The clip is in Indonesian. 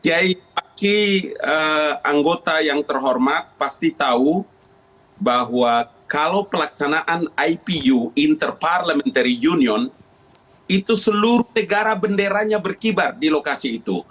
tiap api eee anggota yang terhormat pasti tahu bahwa kalau pelaksanaan ipu inter parliamentary union itu seluruh negara benderanya berkibar di lokasi itu